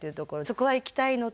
そこは行きたいのと。